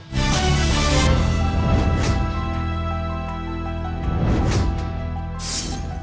ครับ